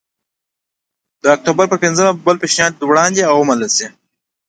د اکتوبر په پنځمه بل پېشنهاد وړاندې او ومنل شو